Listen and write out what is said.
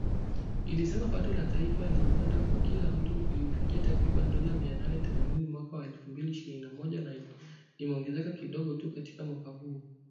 Ilisema pato la taifa la Uganda kwa kila mtu lilifikia takriban dola mia nane themanini mwaka wa elfu mbili ishirini na moja na limeongezeka kidogo tu katika mwaka huo